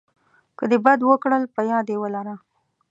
که د بد وکړل په یاد یې ولره .